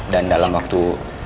dan dalam waktu